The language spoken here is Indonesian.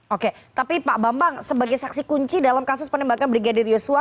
oke tapi pak bambang sebagai saksi kunci dalam kasus penembakan brigadir yosua